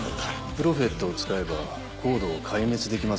プロフェットを使えばＣＯＤＥを壊滅できますよ。